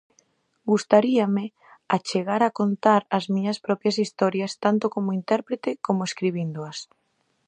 Gustaríame a chegar a contar as miñas propias historias tanto como intérprete como escribíndoas.